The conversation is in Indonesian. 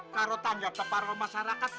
kalo tanggap ke para masyarakat